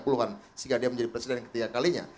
sehingga dia menjadi presiden yang ketiga kalinya